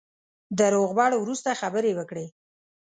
د روغبړ وروسته خبرې وکړې.